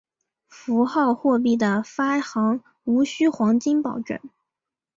符号货币的发行无须黄金保证。